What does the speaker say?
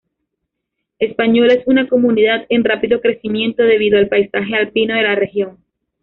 Española es una comunidad en rápido crecimiento debido al paisaje alpino de la región.